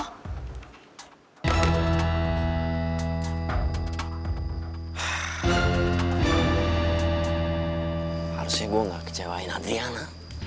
harusnya gue gak kecewain antriana